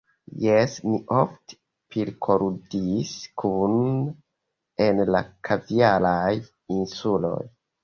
Jes; ni ofte pilkoludis kune en la Kaviaraj Insuloj.